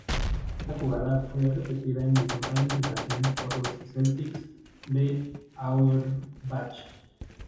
Esta jugada fue repetida en incontables ocasiones por los Celtics de Auerbach.